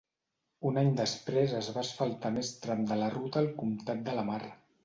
Un any després es va asfaltar més tram de la ruta al comtat de Lamar.